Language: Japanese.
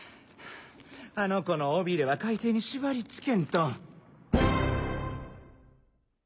あの子の尾ビレは海底に縛りつけんと。